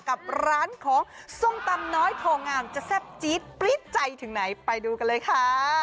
กับร้านของส้มตำน้อยโพงามจะแซ่บจี๊ดปรี๊ดใจถึงไหนไปดูกันเลยค่ะ